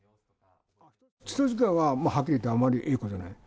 人づきあいは、はっきり言ってあまりいいほうじゃない。